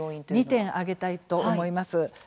２点挙げたいと思います。